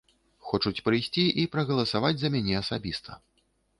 Хочуць прыйсці і прагаласаваць за мяне асабіста.